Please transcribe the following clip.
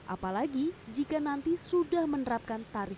apalagi jika nanti sudah menerapkan tarif